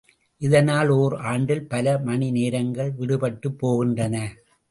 இதனால் ஓர் ஆண்டில் பல மணி நேரங்கள் விடுபட்டுப் போகின்றன.